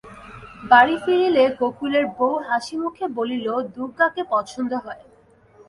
বাড়ি ফিরিলে গোকুলের বউ হাসিমুখে বলিল, দুগগাকে পছন্দ হয়।